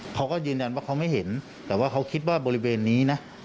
เขาก็ยืนยันว่าเขาไม่เห็นแต่ว่าเขาคิดว่าบริเวณนี้นะ